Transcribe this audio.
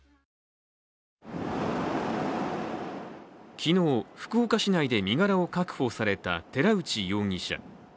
昨日、福岡市内で身柄を確保された寺内容疑者。